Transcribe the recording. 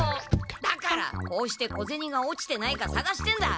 だからこうして小ゼニが落ちてないかさがしてんだ！